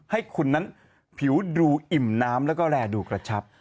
ให้คุณนั้นผิวดูอิ่มน้ำแล้วก็แรดูกระชับ